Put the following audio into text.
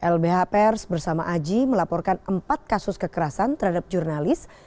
lbh pers bersama aji melaporkan empat kasus kekerasan terhadap jurnalis